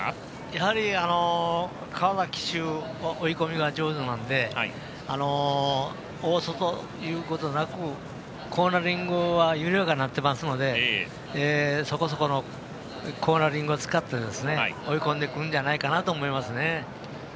やはり川田騎手も追い込みが上手なんで大外、いうことなくコーナリングは緩やかになってますのでそこそこのコーナリングを使って追い込んでくるんじゃないかと思います。